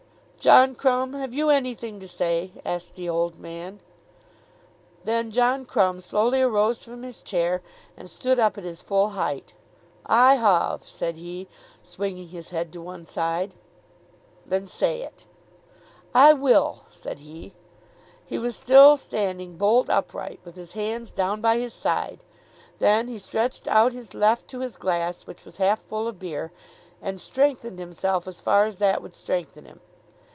"John Crumb, have you anything to say?" asked the old man. Then John Crumb slowly arose from his chair, and stood up at his full height. "I hove," said he, swinging his head to one side. "Then say it." "I will," said he. He was still standing bolt upright with his hands down by his side. Then he stretched out his left to his glass which was half full of beer, and strengthened himself as far as that would strengthen him.